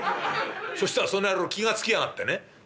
そしたらその野郎気が付きやがってね。